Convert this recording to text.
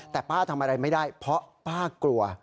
แต่ป้าทำอะไรไม่ได้เพราะป้ากลัว